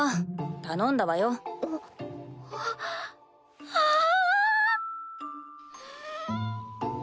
頼んだわよあっあっわあんん。